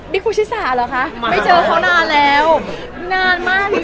บิ๊กภูชิสาหรอคะไม่เจอเขานานแล้วนานมากจริง